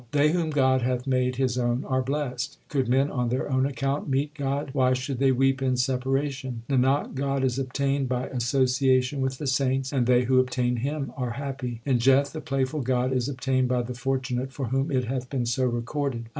They whom God hath made His own are blest. Could men on their own account 1 meet God, why should they weep in separation ? 1 Without the interposition of the Guru. 126 THE SIKH RELIGION Nanak, God is obtained by association with the saints ; and they who obtain Him are happy. In Jeth the playful God is obtained by the fortunate for whom it hath been so recorded.